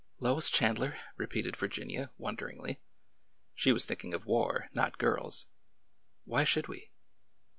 " Lois Chandler !" repeated Virginia, wonderingly. She was thinking of war, not girls. " Why should we